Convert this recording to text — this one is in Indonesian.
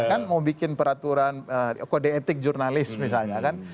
kan mau bikin peraturan kode etik jurnalis misalnya kan